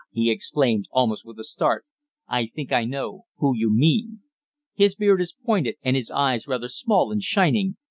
he exclaimed, almost with a start, "I think I know who you mean. His beard is pointed, and his eyes rather small and shining.